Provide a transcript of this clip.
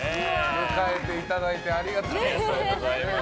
迎えていただいてありがとうございます。